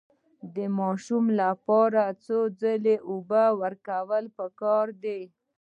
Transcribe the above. د ماشو لپاره څو ځله اوبه ورکول پکار دي؟